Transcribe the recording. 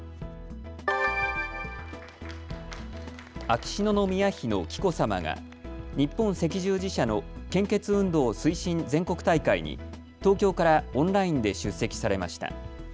秋篠宮妃の紀子さまが日本赤十字社の献血運動推進全国大会に東京からオンラインで出席されました。